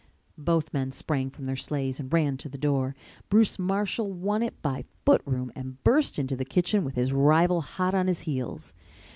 Both men sprang from their sleighs and ran to the door. Bruce Marshall won it by foot room and burst into the kitchen with his rival hot on his heels.